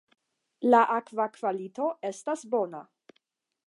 La akva kvalito estas bona.